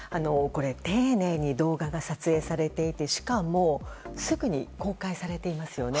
丁寧に動画が撮影されていてしかも、すぐに公開されていますよね。